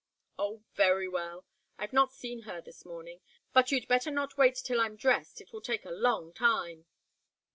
"Oh very well. I've not seen her this morning. But you'd better not wait till I'm dressed. It will take a long time."